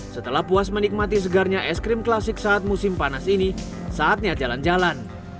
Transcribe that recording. setelah puas menikmati segarnya es krim klasik saat musim panas ini saatnya jalan jalan